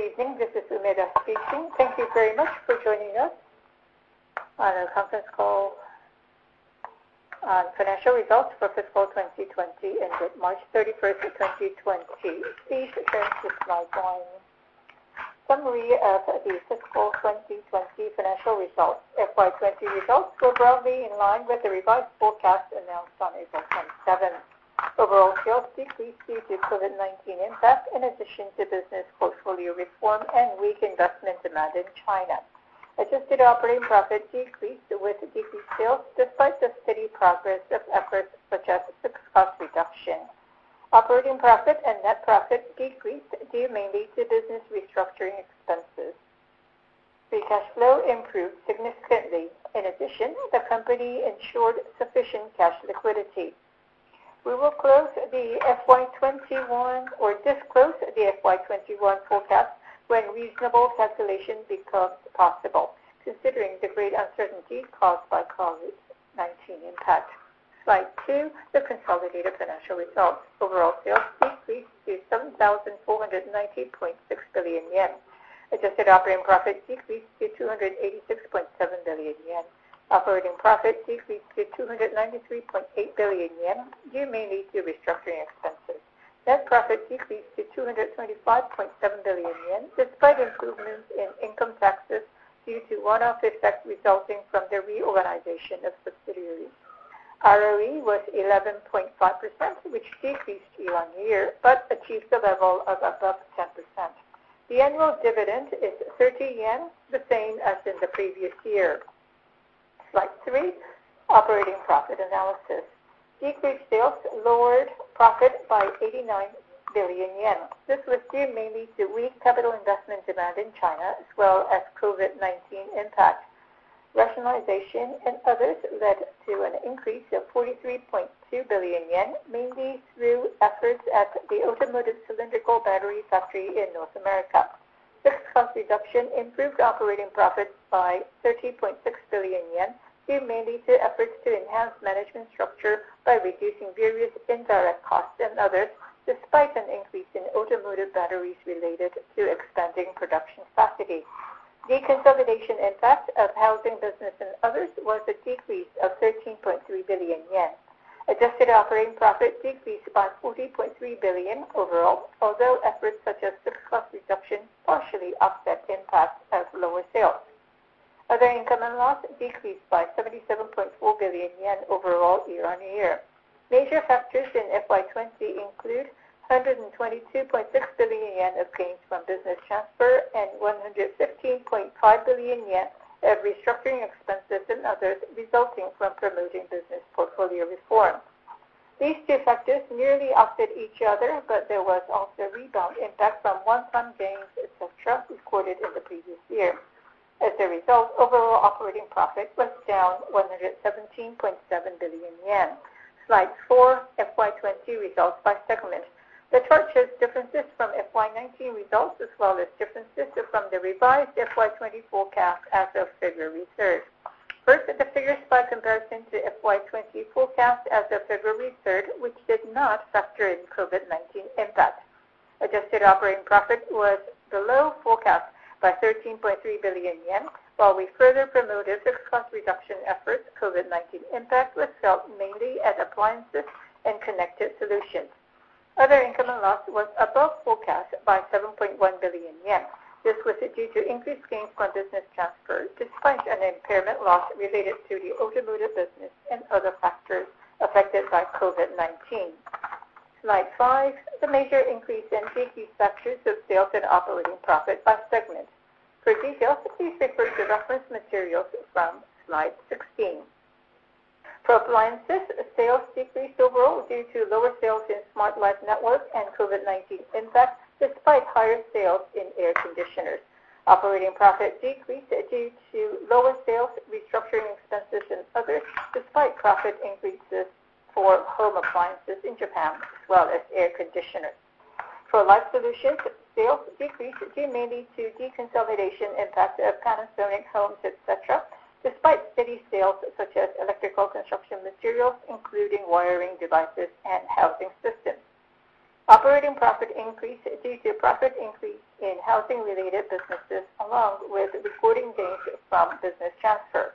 Good evening. This is Umeda speaking. Thank you very much for joining us on a conference call on financial results for fiscal 2020 ended March 31, 2020. Please bear with my join. Summary of the fiscal 2020 financial results: FY 2020 results were broadly in line with the revised forecast announced on April 27. Overall sales decreased due to COVID-19 impact, in addition to business portfolio reform and weak investment demand in China. Adjusted operating profit decreased with decreased sales despite the steady progress of efforts such as fixed cost reduction. Operating profit and net profit decreased due mainly to business restructuring expenses. Free cash flow improved significantly. In addition, the company ensured sufficient cash liquidity. We will close the FY 2021 or disclose the FY 2021 forecast when reasonable calculation becomes possible, considering the great uncertainty caused by COVID-19 impact. Slide 2: The consolidated financial results. Overall sales decreased to JPY ¥7,490.6 billion. Adjusted operating profit decreased to JPY ¥286.7 billion. Operating profit decreased to JPY ¥293.8 billion due mainly to restructuring expenses. Net profit decreased to JPY ¥225.7 billion despite improvements in income taxes due to one-off effects resulting from the reorganization of subsidiaries. ROE was 11.5%, which decreased year on year but achieved a level of above 10%. The annual dividend is JPY ¥30, the same as in the previous year. Slide 3: Operating profit analysis. Decreased sales lowered profit by 89 billion yen. This was due mainly to weak capital investment demand in China, as well as COVID-19 impacts. Rationalization and others led to an increase of JPY ¥43.2 billion, mainly through efforts at the automotive cylindrical battery factory in North America. Fixed cost reduction improved operating profit by JPY ¥30.6 billion, due mainly to efforts to enhance management structure by reducing various indirect costs and others, despite an increase in automotive batteries related to expanding production capacity. The consolidation impact of housing business and others was a decrease of JPY ¥13.3 billion. Adjusted operating profit decreased by JPY ¥40.3 billion overall, although efforts such as fixed cost reduction partially offset impact of lower sales. Other income and loss decreased by JPY ¥77.4 billion overall year on year. Major factors in fiscal 2020 include JPY ¥122.6 billion of gains from business transfer and JPY ¥115.5 billion of restructuring expenses and others resulting from promoting business portfolio reform. These two factors nearly offset each other, but there was also rebound impact from one-time gains, etc., recorded in the previous year. As a result, overall operating profit was down JPY ¥117.7 billion. Slide 4: FY 2020 results by segment. The chart shows differences from FY 2019 results, as well as differences from the revised FY 2020 forecast as of February 3. First, the figure is by comparison to the FY 2020 forecast as of February 3, which did not factor in COVID-19 impact. Adjusted operating profit was below forecast by JPY ¥13.3 billion, while we further promoted fixed cost reduction efforts. COVID-19 impact was felt mainly as appliances and connected solutions. Other income and loss was above forecast by JPY ¥7.1 billion. This was due to increased gains from business transfer, despite an impairment loss related to the automotive business and other factors affected by COVID-19. Slide 5: The major increase in decreased factors of sales and operating profit by segment. For details, please refer to reference materials from Slide 16. For appliances, sales decreased overall due to lower sales in smart life network and COVID-19 impact, despite higher sales in air conditioners. Operating profit decreased due to lower sales, restructuring expenses, and others, despite profit increases for home appliances in Japan, as well as air conditioners. For life solutions, sales decreased due mainly to deconsolidation impact of Panasonic Homes, etc., despite steady sales such as electrical construction materials, including wiring devices and housing systems. Operating profit increased due to profit increase in housing-related businesses, along with recording gains from business transfer.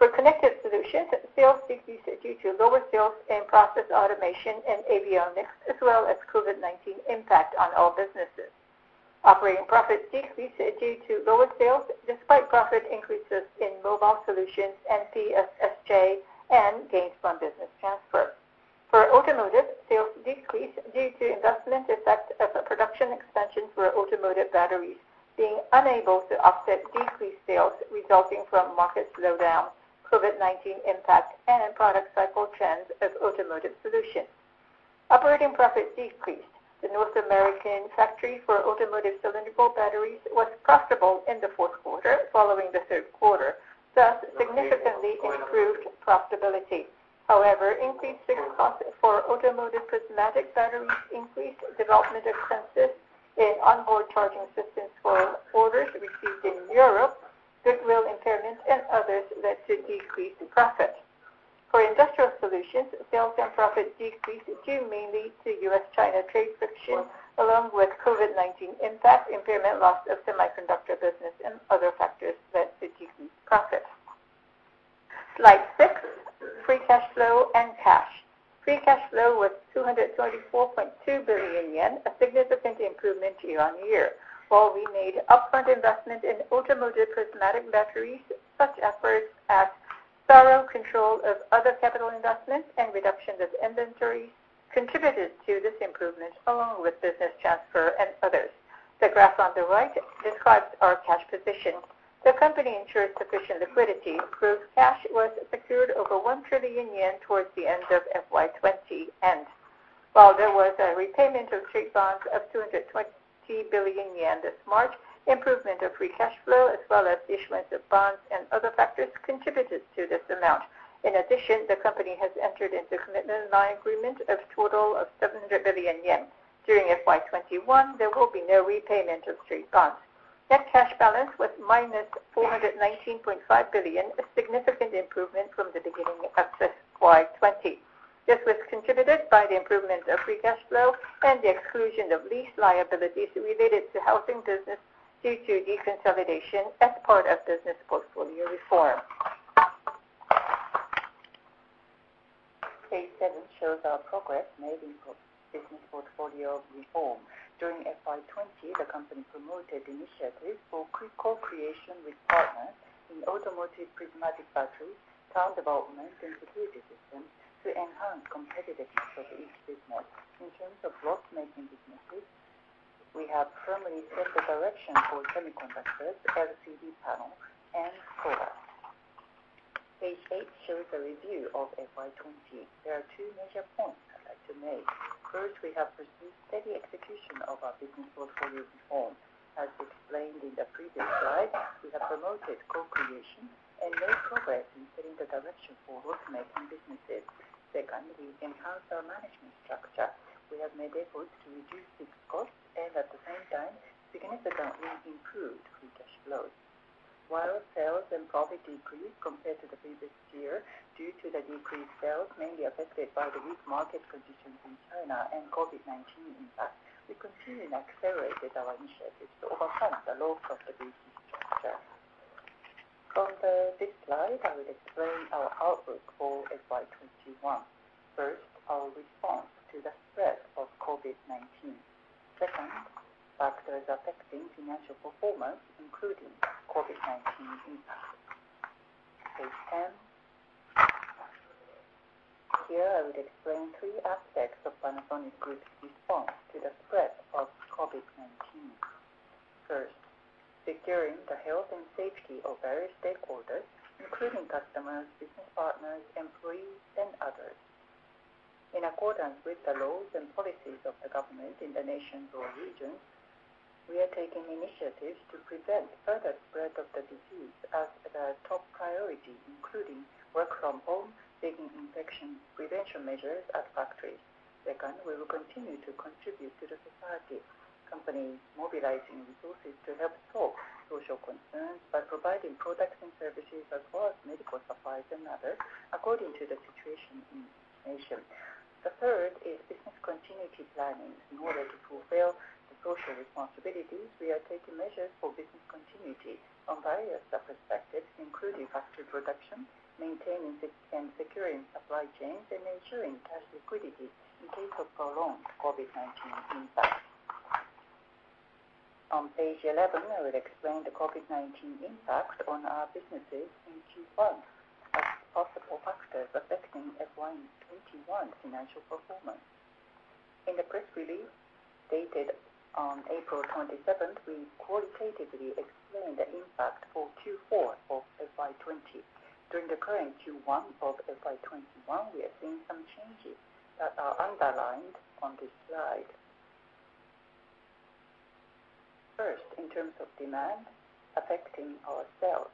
For connected solutions, sales decreased due to lower sales in process automation and avionics, as well as COVID-19 impact on all businesses. Operating profit decreased due to lower sales, despite profit increases in mobile solutions and PSSJ, and gains from business transfer. For automotive, sales decreased due to investment effect of production expansion for automotive batteries, being unable to offset decreased sales resulting from market slowdown, COVID-19 impact, and product cycle trends of automotive solutions. Operating profit decreased. The North American factory for automotive cylindrical batteries was profitable in the fourth quarter, following the third quarter, thus significantly improved profitability. However, increased fixed costs for automotive prismatic batteries increased development expenses in onboard charging systems for orders received in Europe. Goodwill impairment and others led to decreased profit. For industrial solutions, sales and profit decreased due mainly to U.S.-China trade friction, along with COVID-19 impact, impairment loss of semiconductor business, and other factors that decreased profit. Slide 6: Free cash flow and cash. Free cash flow was JPY ¥224.2 billion, a significant improvement year on year. While we made upfront investment in automotive prismatic batteries, such efforts at thorough control of other capital investments and reduction of inventories contributed to this improvement, along with business transfer and others. The graph on the right describes our cash position. The company ensured sufficient liquidity, proved cash was secured over JPY ¥1 trillion towards the end of FY 2020, and while there was a repayment of trade bonds of JPY ¥220 billion this March, improvement of free cash flow, as well as issuance of bonds and other factors, contributed to this amount. In addition, the company has entered into commitment line agreement of total of JPY ¥700 billion. During FY 2021, there will be no repayment of trade bonds. Net cash balance was minus JPY ¥419.5 billion, a significant improvement from the beginning of FY 2020. This was contributed by the improvement of free cash flow and the exclusion of lease liabilities related to housing business due to deconsolidation as part of business portfolio reform. Slide 7 shows our progress made in business portfolio reform. During FY 2020, the company promoted initiatives for co-creation with partners in automotive prismatic batteries, town development, and security systems to enhance competitiveness of each business. In terms of loss-making businesses, we have firmly set the direction for semiconductors, LCD panels, and solar. Page 8 shows a review of FY 2020. There are two major points I'd like to make. First, we have pursued steady execution of our business portfolio reform. As explained in the previous slide, we have promoted co-creation and made progress in setting the direction for loss-making businesses. Second, we've enhanced our management structure. We have made efforts to reduce fixed costs and, at the same time, significantly improved free cash flows. While sales and profit decreased compared to the previous year due to the decreased sales, mainly affected by the weak market conditions in China and COVID-19 impact, we continued and accelerated our initiatives to overcome the low cost of the business structure. On this slide, I will explain our outlook for FY 2021. First, our response to the spread of COVID-19. Second, factors affecting financial performance, including COVID-19 impact. Page 10. Here, I will explain three aspects of Panasonic Group's response to the spread of COVID-19. First, securing the health and safety of various stakeholders, including customers, business partners, employees, and others. In accordance with the laws and policies of the government in the nation's regions, we are taking initiatives to prevent further spread of the disease as a top priority, including work-from-home, taking infection prevention measures at factories. Second, we will continue to contribute to the society. Company is mobilizing resources to help solve social concerns by providing products and services, as well as medical supplies and others, according to the situation in the nation. The third is business continuity planning. In order to fulfill the social responsibilities, we are taking measures for business continuity from various perspectives, including factory production, maintaining and securing supply chains, and ensuring cash liquidity in case of prolonged COVID-19 impact. On page 11, I will explain the COVID-19 impact on our businesses in Q1 as possible factors affecting FY 2021 financial performance. In the press release dated on April 27, we qualitatively explained the impact for Q4 of FY 2020. During the current Q1 of FY 2021, we have seen some changes that are underlined on this slide. First, in terms of demand affecting our sales.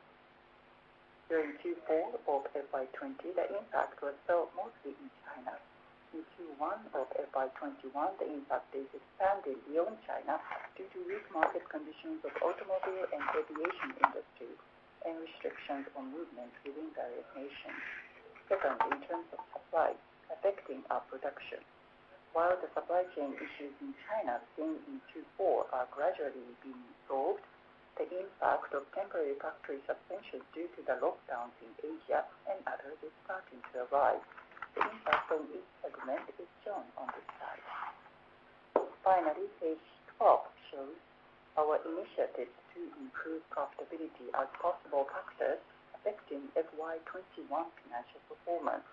During Q4 of FY 2020, the impact was felt mostly in China. In Q1 of FY 2021, the impact is expanded beyond China due to weak market conditions of automobile and aviation industries and restrictions on movement within various nations. Second, in terms of supply affecting our production. While the supply chain issues in China seen in Q4 are gradually being solved, the impact of temporary factory suspensions due to the lockdowns in Asia and others is starting to arise. The impact on each segment is shown on this slide. Finally, page 12 shows our initiatives to improve profitability as possible factors affecting FY 2021 financial performance.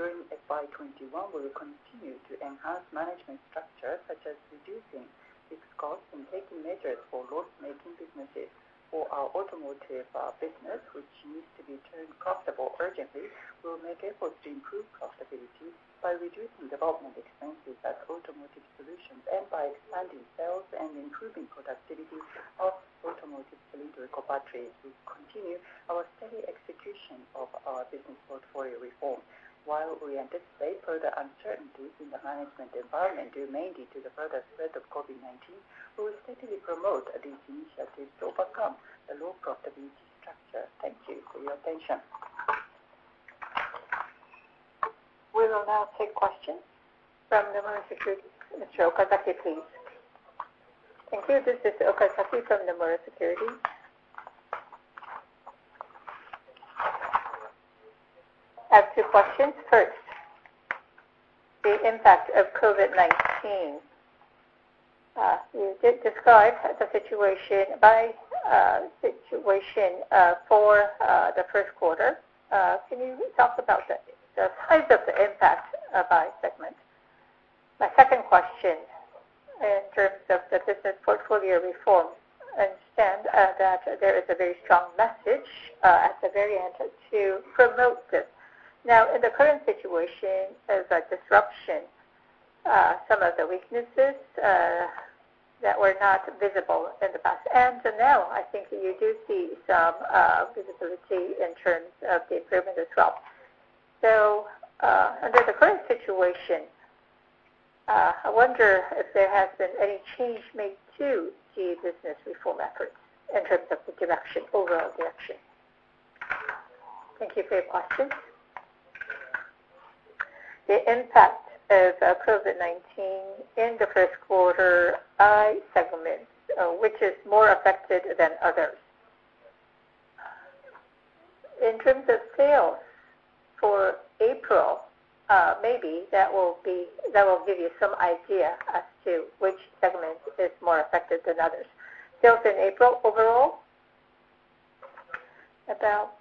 During FY 2021, we will continue to enhance management structure, such as reducing fixed costs and taking measures for loss-making businesses. For our automotive business, which needs to be turned profitable urgently, we will make efforts to improve profitability by reducing development expenses at automotive solutions and by expanding sales and improving productivity of automotive cylindrical batteries. We will continue our steady execution of our business portfolio reform. While we anticipate further uncertainty in the management environment due mainly to the further spread of COVID-19, we will steadily promote these initiatives to overcome the low profitability structure. Thank you for your attention. We will now take questions from Nomura Securities. Mr. Okazaki, please. Thank you. This is Okazaki from Nomura Securities. I have two questions. First, the impact of COVID-19. You did describe the situation by situation for the first quarter. Can you talk about the size of the impact by segment? My second question, in terms of the business portfolio reform, I understand that there is a very strong message at the very end to promote this. Now, in the current situation, there is a disruption, some of the weaknesses that were not visible in the past. I think you do see some visibility in terms of the improvement as well. Under the current situation, I wonder if there has been any change made to the business reform efforts in terms of the direction, overall direction. Thank you for your questions. The impact of COVID-19 in the first quarter by segments, which is more affected than others. In terms of sales for April, maybe that will give you some idea as to which segment is more affected than others. Sales in April overall, about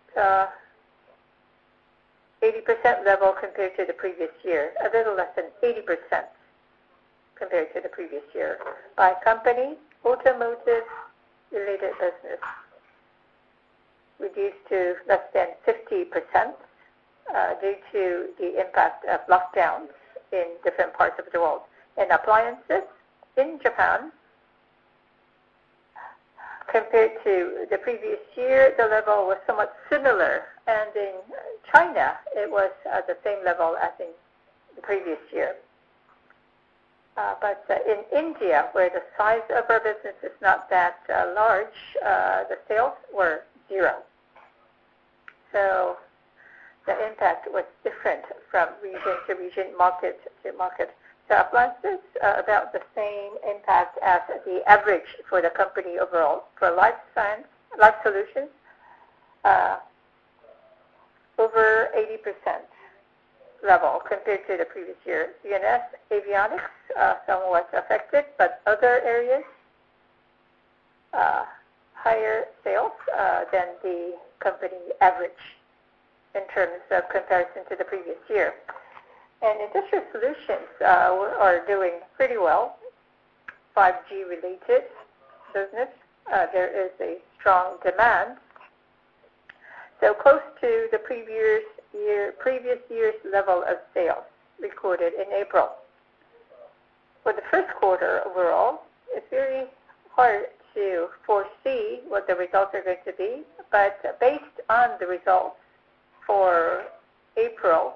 80% level compared to the previous year. A little less than 80% compared to the previous year by company, automotive-related business. Reduced to less than 50% due to the impact of lockdowns in different parts of the world. In appliances, in Japan, compared to the previous year, the level was somewhat similar. In China, it was at the same level as in the previous year. In India, where the size of our business is not that large, the sales were zero. The impact was different from region to region, market to market. Appliances, about the same impact as the average for the company overall. For life solutions, over 80% level compared to the previous year. UNS, avionics, somewhat affected, but other areas, higher sales than the company average in terms of comparison to the previous year. Industrial solutions are doing pretty well. 5G-related business, there is a strong demand. Close to the previous year's level of sales recorded in April. For the first quarter overall, it is very hard to foresee what the results are going to be. Based on the results for April,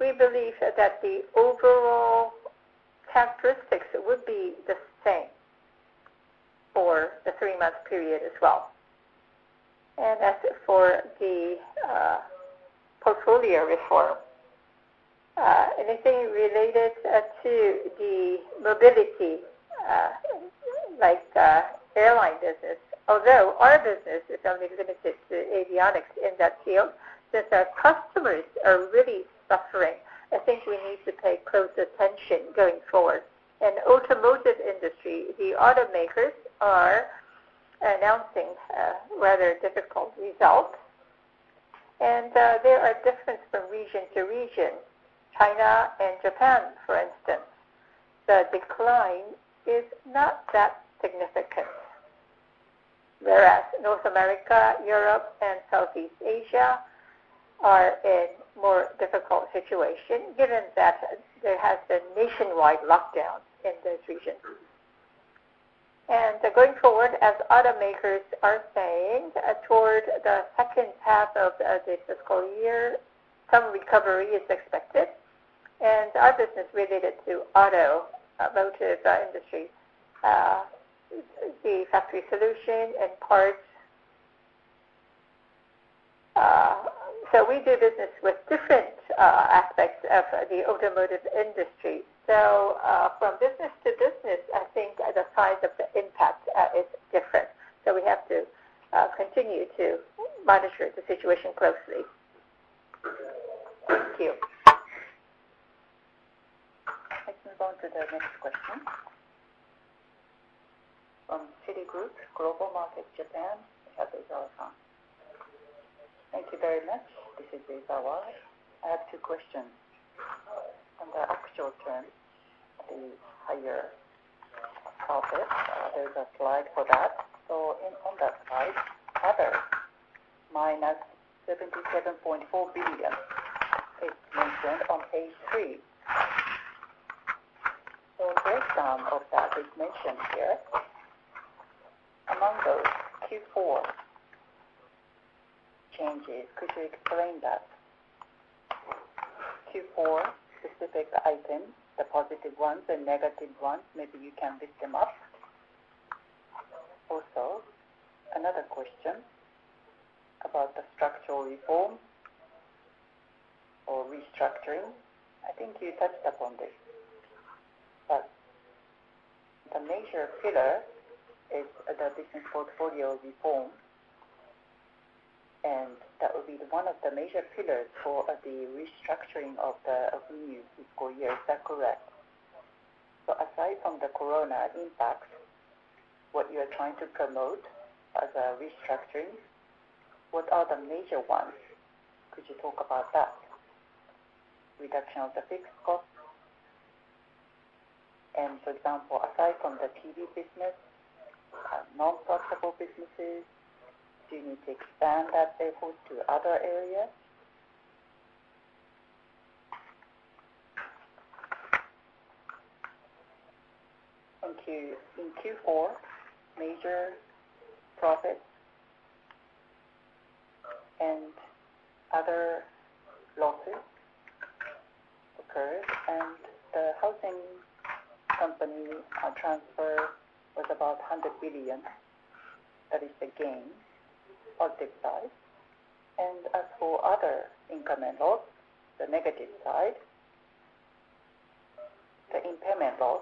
we believe that the overall characteristics would be the same for the three-month period as well. As for the portfolio reform, anything related to mobility, like airline business, although our business is only limited to avionics in that field, since our customers are really suffering, I think we need to pay close attention going forward. In the automotive industry, the automakers are announcing rather difficult results. There are differences from region to region. China and Japan, for instance, the decline is not that significant. Whereas North America, Europe, and Southeast Asia are in a more difficult situation, given that there have been nationwide lockdowns in those regions. Going forward, as automakers are saying, toward the second half of this fiscal year, some recovery is expected. Our business related to automotive industry, the factory solution and parts. We do business with different aspects of the automotive industry. From business to business, I think the size of the impact is different. We have to continue to monitor the situation closely. Thank you. Let's move on to the next question. From Citi Group Market Japan, we have Elizabeth Warren. Thank you very much. This is Reza Warren. I have two questions. On the actual term, the higher profits, there is a slide for that. On that slide, others minus 77.4 billion, it is mentioned on page 3. A breakdown of that is mentioned here. Among those, Q4 changes, could you explain that? Q4 specific items, the positive ones and negative ones, maybe you can list them up. Also, another question about the structural reform or restructuring. I think you touched upon this. The major pillar is the business portfolio reform. That would be one of the major pillars for the restructuring of the new fiscal year. Is that correct? Aside from the corona impacts, what you are trying to promote as a restructuring, what are the major ones? Could you talk about that? Reduction of the fixed costs. For example, aside from the TV business, non-profitable businesses, do you need to expand that effort to other areas? In Q4, major profits and other losses occurred. The housing company transfer was about 100 billion. That is the gain on this side. As for other incrementals, the negative side, the impairment loss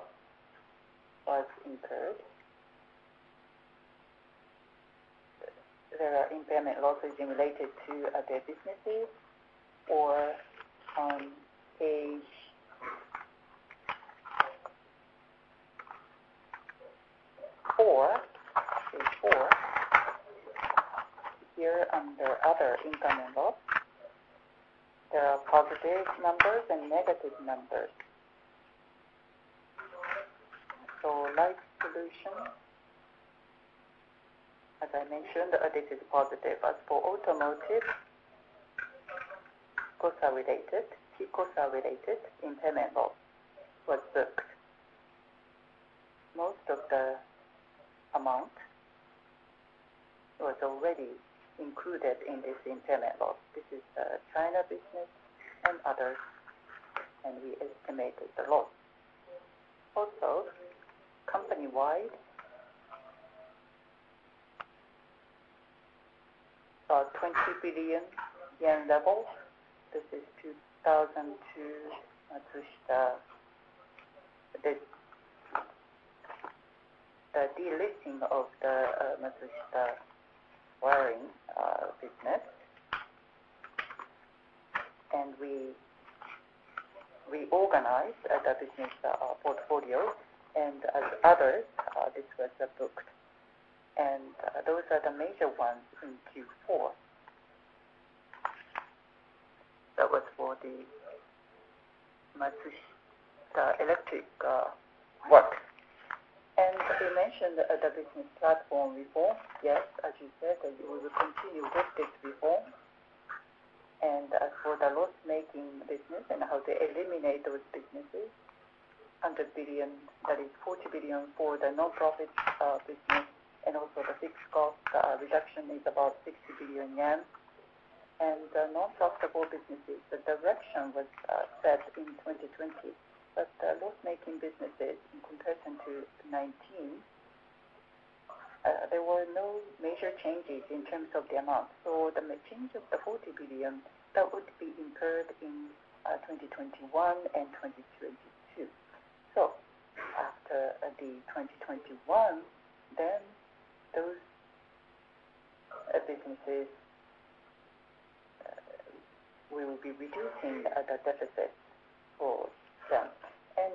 was incurred. There are impairment losses related to their businesses. On page 4, here under other incrementals, there are positive numbers and negative numbers. Life solutions, as I mentioned, this is positive. As for automotive, those are related, TCOSA-related impairment loss was booked. Most of the amount was already included in this impairment loss. This is the China business and others. We estimated the loss. Also, company-wide, about 20 billion yen level. This is 2002 Matsushita. The delisting of the Matsushita wiring business. We reorganized the business portfolio. As others, this was booked. Those are the major ones in Q4. That was for the Matsushita Electric Works. You mentioned the business platform reform. Yes, as you said, we will continue with this reform. As for the loss-making business and how to eliminate those businesses, 100 billion, that is 40 billion for the non-profit business. Also, the fixed cost reduction is about 60 billion yen. The non-profitable businesses, the direction was set in 2020. The loss-making businesses, in comparison to 2019, there were no major changes in terms of the amount. The change of the 40 billion would be incurred in 2021 and 2022. After 2021, those businesses, we will be reducing the deficit for them.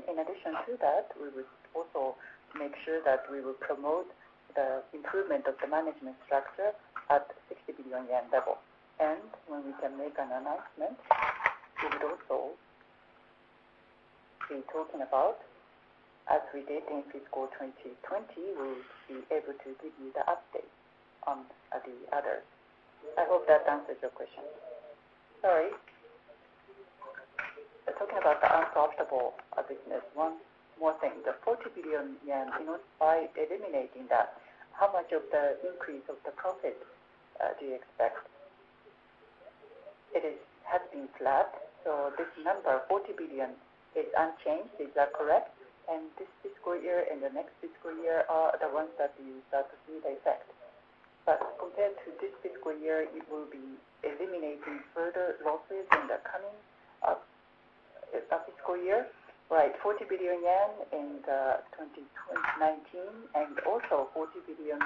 In addition to that, we would also make sure that we will promote the improvement of the management structure at 60 billion yen level. When we can make an announcement, we would also be talking about, as we did in fiscal 2020, we will be able to give you the update on the others. I hope that answers your question. Sorry. Talking about the unprofitable business, one more thing. The 40 billion yen, by eliminating that, how much of the increase of the profit do you expect? It has been flat. This number, 40 billion, is unchanged. Is that correct? This fiscal year and the next fiscal year are the ones that you start to see the effect. Compared to this fiscal year, it will be eliminating further losses in the coming fiscal year. Right. 40 billion yen in 2019. Also, 40 billion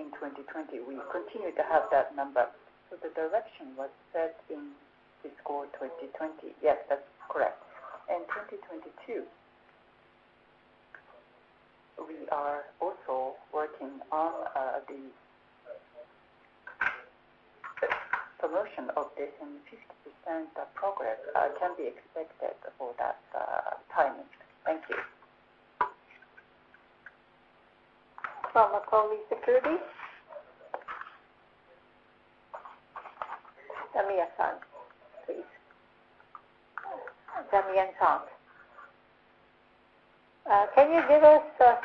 in 2020. We continue to have that number. The direction was set in fiscal 2020. Yes, that's correct. In 2022, we are also working on the promotion of this and 50% progress can be expected for that timing. Thank you. From Macaulay Security. Damien Hassan, please. Damien Hassan.Can you give us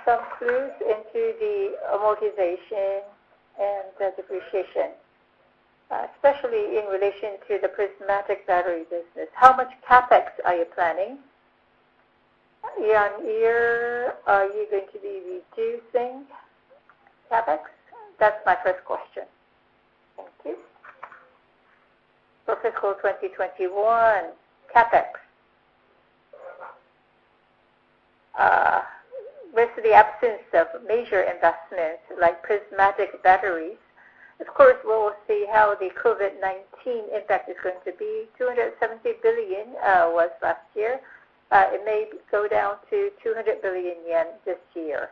some clues into the amortization and depreciation, especially in relation to the prismatic battery business? How much CapEx are you planning? Year on year, are you going to be reducing CapEx? That's my first question. Thank you. For fiscal 2021, CapEx. With the absence of major investments like prismatic batteries, of course, we'll see how the COVID-19 impact is going to be. 270 billion was last year. It may go down to 200 billion yen this year.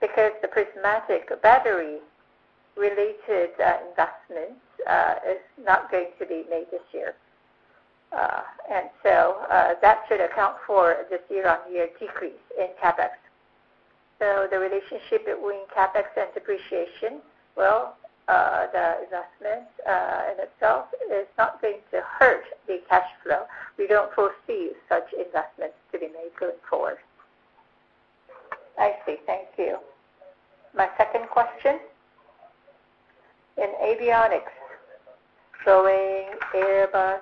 Because the prismatic battery-related investments are not going to be made this year. That should account for this year-on-year decrease in CapEx. The relationship between CapEx and depreciation, the investment in itself is not going to hurt the cash flow. We don't foresee such investments to be made going forward. I see. Thank you. My second question. In avionics, Boeing, Airbus,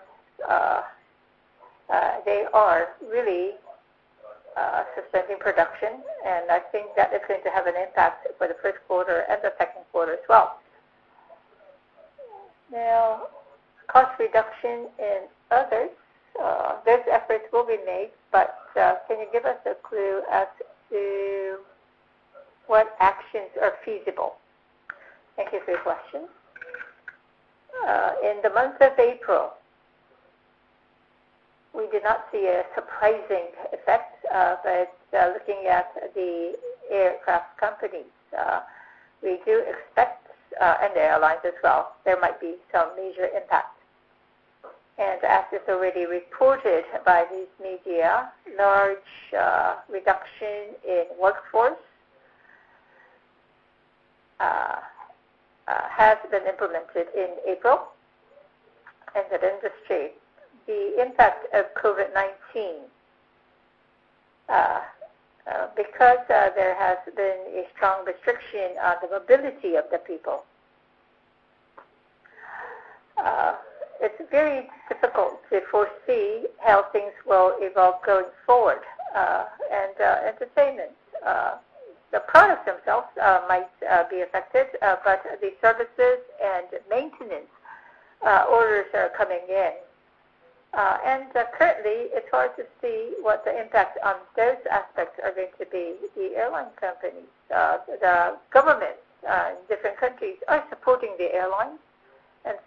they are really suspending production. I think that is going to have an impact for the first quarter and the second quarter as well. Now, cost reduction in others, those efforts will be made. Can you give us a clue as to what actions are feasible? Thank you for your question. In the month of April, we did not see a surprising effect. Looking at the aircraft companies, we do expect, and airlines as well, there might be some major impact. As is already reported by these media, large reduction in workforce has been implemented in April. The industry, the impact of COVID-19, because there has been a strong restriction on the mobility of the people, it's very difficult to foresee how things will evolve going forward. Entertainment, the products themselves might be affected. The services and maintenance orders are coming in. Currently, it is hard to see what the impact on those aspects is going to be. The airline companies, the governments in different countries are supporting the airlines.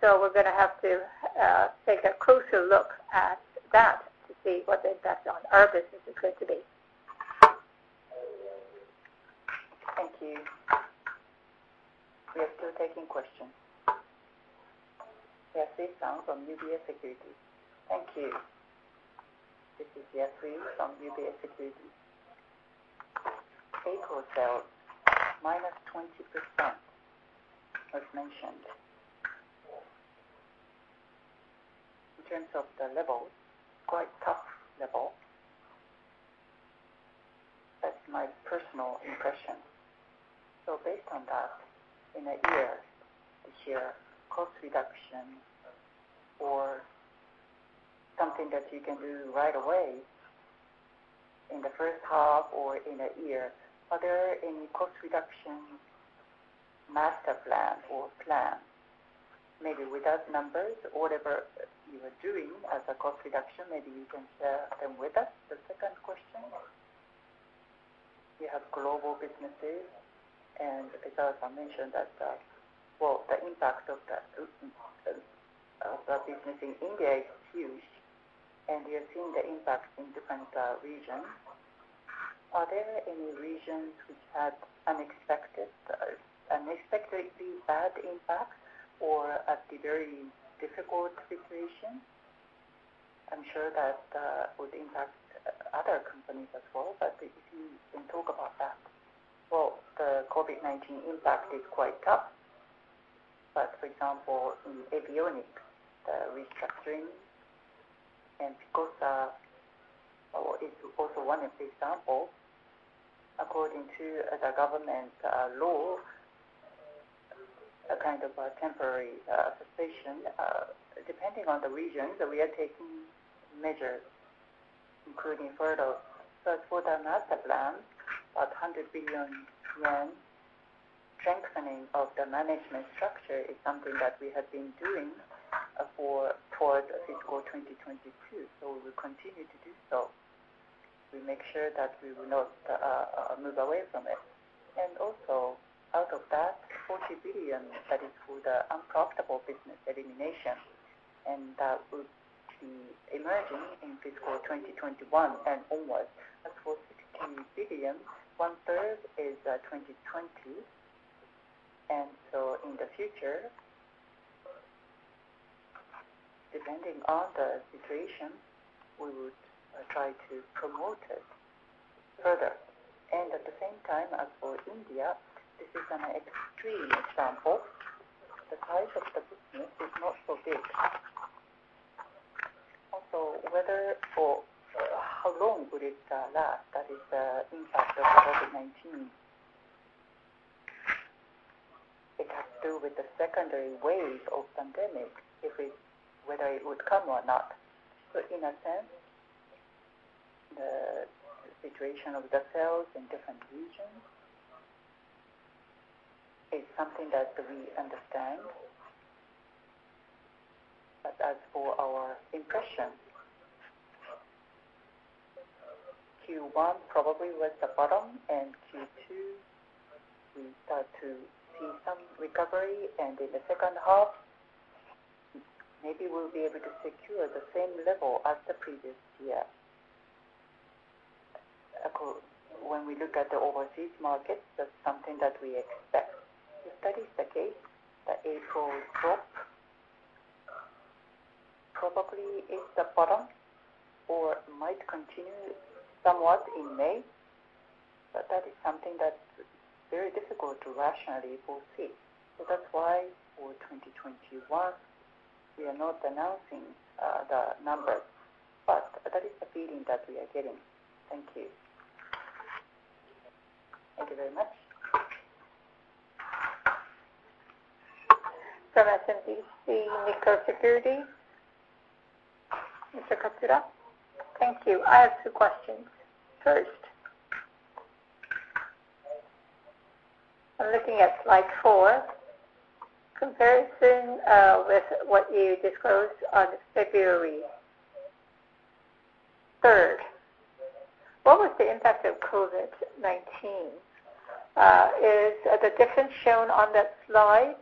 We are going to have to take a closer look at that to see what the impact on our business is going to be. Thank you. We are still taking questions. Yasreen from UBS Securities. Thank you. This is Yasreen from UBS Securities. April sales, minus 20%, was mentioned. In terms of the level, quite tough level. That's my personal impression. Based on that, in a year, this year, cost reduction or something that you can do right away in the first half or in a year, are there any cost reduction master plan or plan? Maybe with those numbers, whatever you are doing as a cost reduction, maybe you can share them with us. The second question. You have global businesses. As I mentioned, the impact of the business in India is huge. We are seeing the impact in different regions. Are there any regions which had unexpectedly bad impact or a very difficult situation? I'm sure that would impact other companies as well. If you can talk about that. The COVID-19 impact is quite tough. For example, in avionics, the restructuring and TCOSA is also one of the examples. According to the government law, a kind of a temporary suspension, depending on the regions, we are taking measures, including further. For the master plan, about 100 billion yen, strengthening of the management structure is something that we have been doing towards fiscal 2022. We will continue to do so. We make sure that we will not move away from it. Also, out of that, 40 billion, that is for the unprofitable business elimination. That would be emerging in fiscal 2021 and onwards. As for 60 billion, one-third is 2020. In the future, depending on the situation, we would try to promote it further. At the same time, as for India, this is an extreme example. The size of the business is not so big. Also, how long would it last, that is, the impact of COVID-19? It has to do with the secondary wave of pandemic, whether it would come or not. In a sense, the situation of the sales in different regions is something that we understand. As for our impression, Q1 probably was the bottom. Q2, we start to see some recovery. In the second half, maybe we'll be able to secure the same level as the previous year. When we look at the overseas markets, that's something that we expect. If that is the case, the April drop probably is the bottom or might continue somewhat in May. That is something that's very difficult to rationally foresee. That's why for 2021, we are not announcing the numbers. That is the feeling that we are getting. Thank you. Thank you very much. From SMBC Nikko Securities. Mr. Katsura? Thank you. I have two questions. First, I'm looking at slide four, comparison with what you disclosed on February 3rd. What was the impact of COVID-19? Is the difference shown on that slide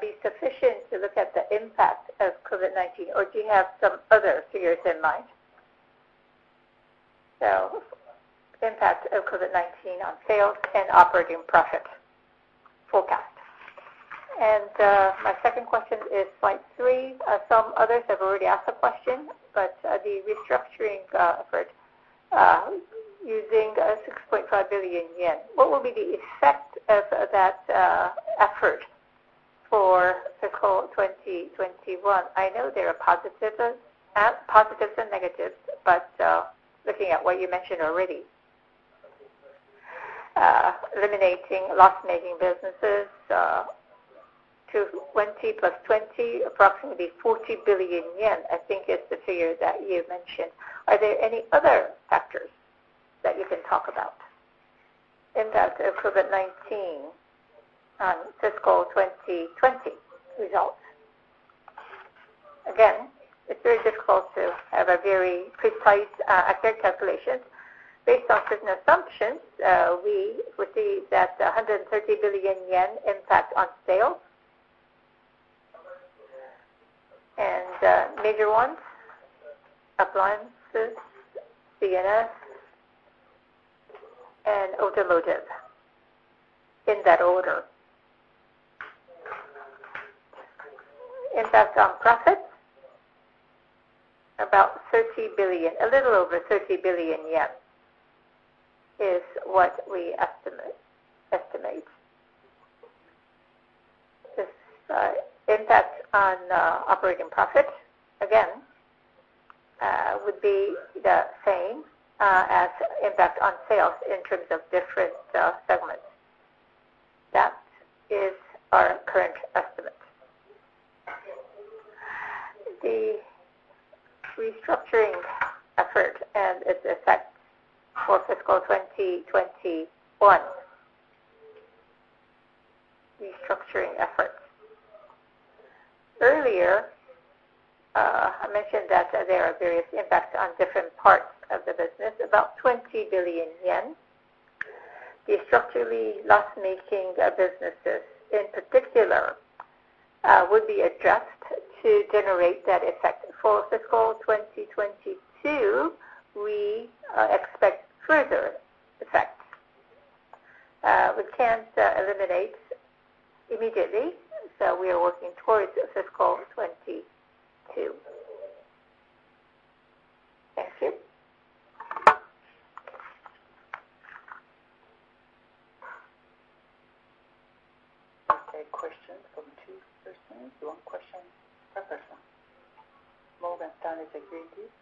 be sufficient to look at the impact of COVID-19, or do you have some other figures in mind? Impact of COVID-19 on sales and operating profit forecast. My second question is slide three. Some others have already asked the question. The restructuring effort using 6.5 billion yen, what will be the effect of that effort for fiscal 2021? I know there are positives and negatives. Looking at what you mentioned already, eliminating loss-making businesses, 20 plus 20, approximately JPY ¥40 billion, I think is the figure that you mentioned. Are there any other factors that you can talk about in that COVID-19 fiscal 2020 result? Again, it's very difficult to have very precise, accurate calculations. Based on certain assumptions, we would see that 130 billion yen impact on sales. Major ones, appliances, CNS, and automotive, in that order. Impact on profits, about 30 billion, a little over JPY ¥30 billion, is what we estimate. Impact on operating profit, again, would be the same as impact on sales in terms of different segments. That is our current estimate. The restructuring effort and its effect for fiscal 2021. Restructuring efforts. Earlier, I mentioned that there are various impacts on different parts of the business, about JPY ¥20 billion. The structurally loss-making businesses, in particular, would be addressed to generate that effect. For fiscal 2022, we expect further effects. We can't eliminate immediately. We are working towards fiscal 2022. Thank you. I have a question from two persons. One question per person. Morgan Stanley Securities?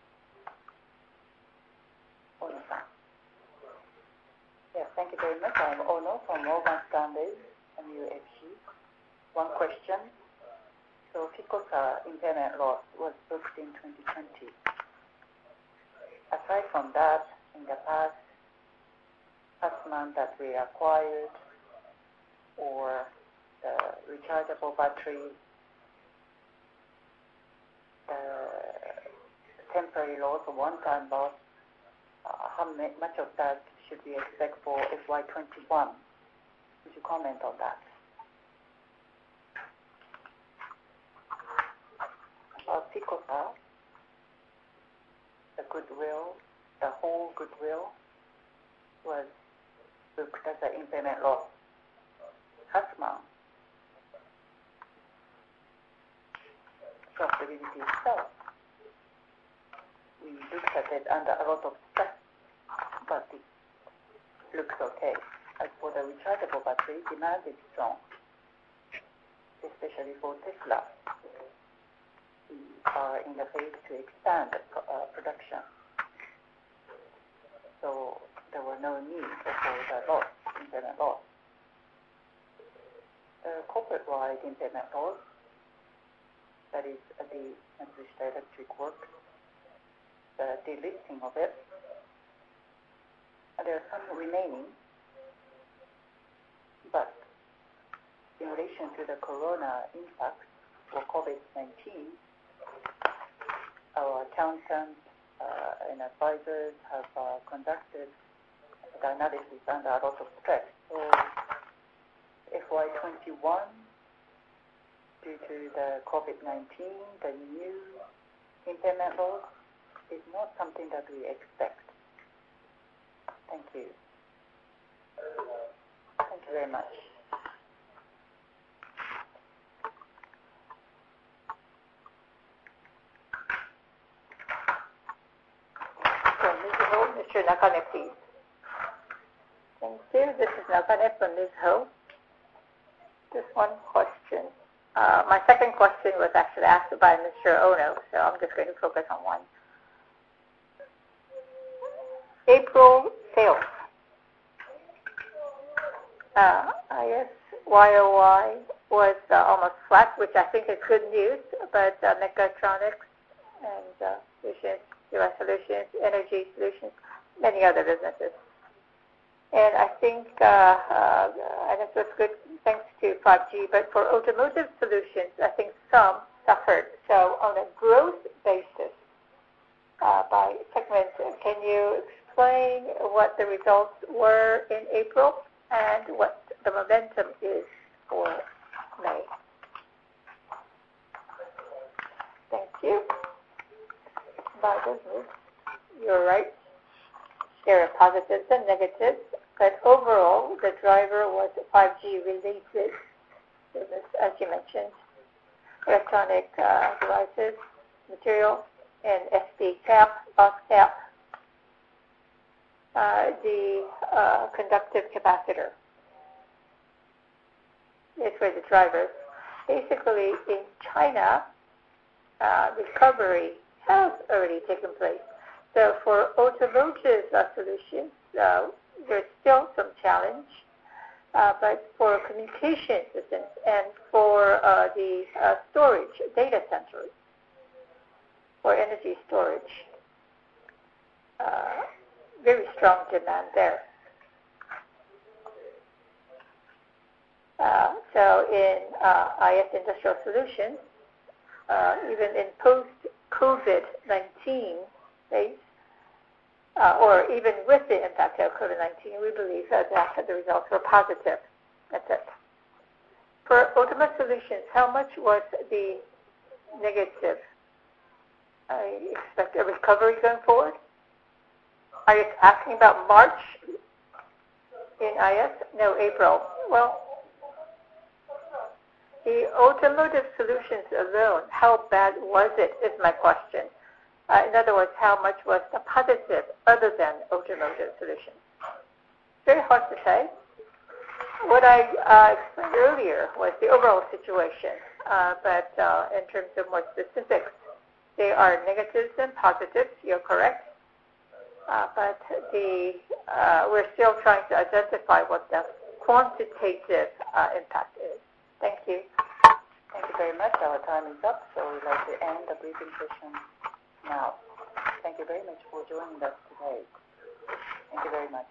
Hassan. Yes. Thank you very much. I'm Ono from Morgan Stanley MUFG. One question. TCOSA impairment was booked in 2020. Aside from that, in the past month that we acquired or the rechargeable battery, the temporary loss of one time, how much of that should we expect for FY 2021? Would you comment on that? TCOSA, the goodwill, the whole goodwill was booked as an impairment loss. Hassman, prosperity itself, we looked at it under a lot of stress. It looks okay. As for the rechargeable battery, demand is strong, especially for Tesla. We are in the phase to expand production. There were no needs for the loss, impairment loss. Corporate-wide impairment loss, that is the unreached electric work, the delisting of it. There are some remaining. In relation to the corona impact for COVID-19, our accountants and advisors have conducted analysis under a lot of stress. For FY 2021, due to COVID-19, the new impairment loss is not something that we expect. From Ms. Hill, Mr. Nakane, please. Thank you. This is Nakane, from Ms. Hill. Just one question. My second question was actually asked by Mr. Ono. I am just going to focus on one. April sales. ISYOY was almost flat, which I think is good news. Mechatronics and Vision, US Solutions, Energy Solutions, many other businesses. I think it was good thanks to 5G. For automotive solutions, I think some suffered. On a growth basis by segments, can you explain what the results were in April and what the momentum is for May? Thank you. By business. You are right. There are positives and negatives. Overall, the driver was 5G-related business, as you mentioned. Electronic devices, materials, and SD cap, loss cap, the conductive capacitor. These were the drivers. In China, recovery has already taken place. For automotive solutions, there's still some challenge. For communication systems and for the storage data centers, for energy storage, very strong demand there. In IS Industrial Solutions, even in post-COVID-19 phase, or even with the impact of COVID-19, we believe that the results were positive. That's it. For automotive solutions, how much was the negative? I expect a recovery going forward. Are you asking about March in IS? No, April. The automotive solutions alone, how bad was it, is my question. In other words, how much was the positive other than automotive solutions? Very hard to say. What I explained earlier was the overall situation. In terms of more specifics, they are negatives and positives. You're correct. We're still trying to identify what the quantitative impact is. Thank you. Thank you very much. Our time is up. We would like to end the briefing session now. Thank you very much for joining us today. Thank you very much.